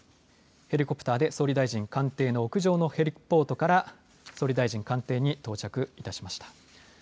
ヘリコプターで総理大臣官邸の屋上のヘリポートから総理大臣官邸に到着しました。